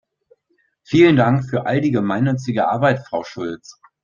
Vielen Dank für all die gemeinnützige Arbeit, Frau Schulz!